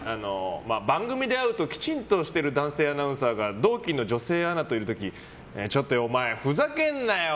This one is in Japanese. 番組で会うきちんとしている男性アナウンサーが同期の女性アナといる時にちょっとお前ふざけんなよ！